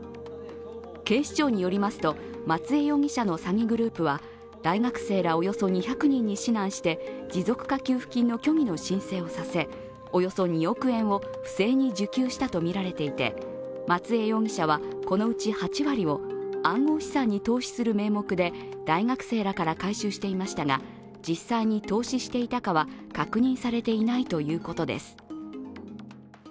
警視庁によりますと、松江容疑者の詐欺グループは、大学生らおよそ２００人に指南して持続化給付金の虚偽の申請をさせおよそ２億円を不正に受給したとみられていて、松江容疑者は、このうち８割を暗号資産に投資する名目で大学生らから回収していましたが実際に投資していたかは確認されていないということです。